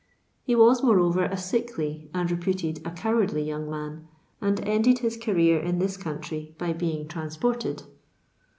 He was, moreover, a sickly, and reputed a cowardly, young man, and ended his career in this country by being transported.